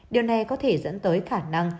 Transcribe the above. điều này có thể dẫn tới khả năng